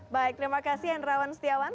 baik terima kasih hendrawan setiawan